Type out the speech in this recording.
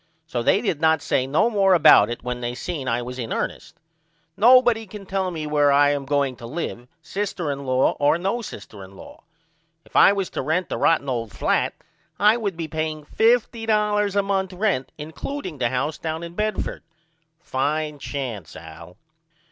So they did not say no more about it when they seen I was in ernest. Nobody cannot tell me where I am going to live sister in law or no sister in law. If I was to rent the rotten old flat I would be paying $50 a month rent includeing the house down in Bedford. Fine chance Al.